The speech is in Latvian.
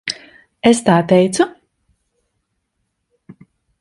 Es tā teicu?